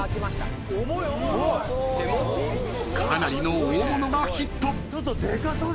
［かなりの大物がヒット］